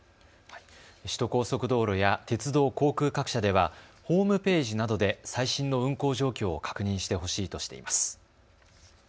首都高速道路や鉄道・航空各社ではホームページなどで最新の運行状況を確認してほしいとしています。